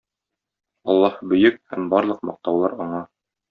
Аллаһ Бөек һәм барлык мактаулар Аңа!